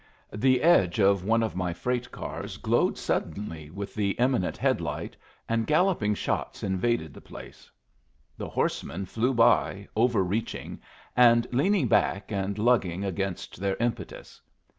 The edge of one of my freight cars glowed suddenly with the imminent headlight, and galloping shots invaded the place. The horsemen flew by, overreaching, and leaning back and lugging against their impetus.